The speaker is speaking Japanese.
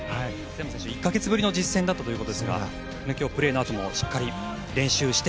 １か月ぶりの実戦だったということですが今日、プレーのあともしっかり練習して